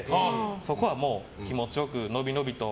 そこはもう気持ちよく、のびのびと。